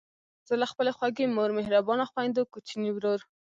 زه له خپلې خوږې مور، مهربانو خویندو، کوچني ورور،